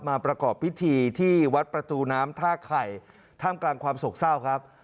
ประกอบพิธีที่วัดประตูน้ำท่าไข่ท่ามกลางความโศกเศร้าครับ